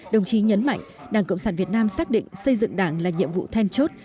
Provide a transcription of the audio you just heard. đồng chí nhấn mạnh đảng cộng sản việt nam xác định xây dựng đảng là nhiệm vụ then chốt